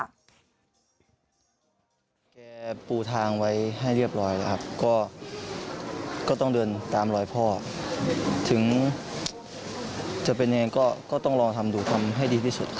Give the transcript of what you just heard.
จะเป็นยังไงก็ต้องลองทำดูความให้ดีที่สุดค่ะ